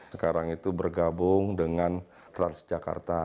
sekarang itu bergabung dengan transjakarta